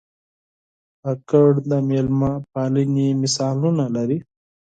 کاکړ د مېلمه پالنې مثالونه لري.